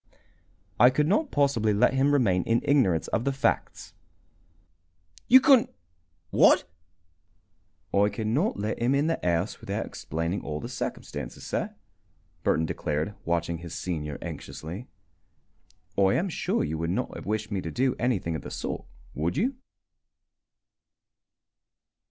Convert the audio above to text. "I could not possibly let him remain in ignorance of the facts." "You couldn't what?" "I could not let him the house without explaining all the circumstances, sir," Burton declared, watching his senior anxiously. "I am sure you would not have wished me to do anything of the sort, would you?"